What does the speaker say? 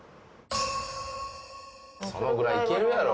そのぐらいいけるやろ。